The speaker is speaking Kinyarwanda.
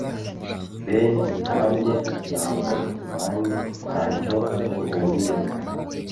Ben na njye ntabwo tubanye. Ntacyo duhuriyeho.